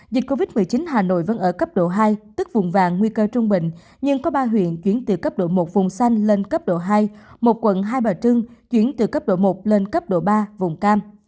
dịch covid một mươi chín hà nội vẫn ở cấp độ hai tức vùng vàng nguy cơ trung bình nhưng có ba huyện chuyển từ cấp độ một vùng xanh lên cấp độ hai một quận hai bà trưng chuyển từ cấp độ một lên cấp độ ba vùng cam